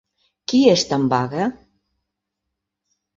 Qui està en vaga?